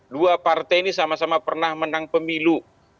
dua partai ini sama sama pernah menang pemilu